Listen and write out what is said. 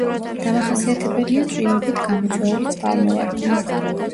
დამახასიათებელია წვიმებით გამოწვეული წყალმოვარდნა.